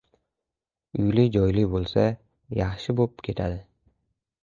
Uyli-joyli bo‘lsa yaxshi bo‘p ketadi.